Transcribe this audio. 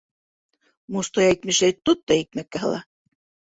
Мостай әйтмешләй, тот та икмәккә һыла.